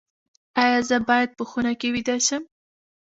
ایا زه باید په خونه کې ویده شم؟